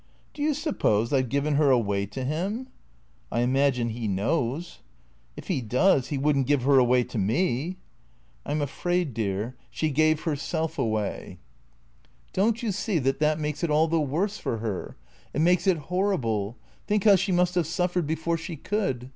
" Do you suppose I 've given her away to him ?"" I imagine he knows." " If he does, he would n't give her away to me." " I 'm afraid, dear, she gave herself away." 334 THECKEATOES "Don't you see that that makes it all the worse for her? It makes it horrible. Think how she must have suffered before she could.